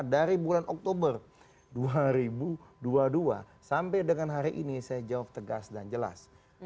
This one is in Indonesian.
dari bulan oktober dua ribu dua puluh dua sampai dengan hari ini saya jawab tegas dan jelas